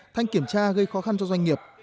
thanh kiểm tra gây khó khăn cho doanh nghiệp